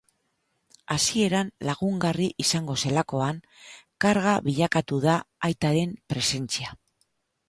Hasieran lagungarri izango zelakoan, karga bilakatu da aitaren presentzia.